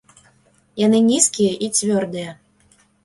Яны нізкія і цвёрдыя.